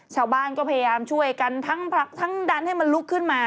ชาวบ้านก็พยายามช่วยกันทั้งผลักทั้งดันให้มันลุกขึ้นมา